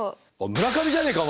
村上じゃねえか！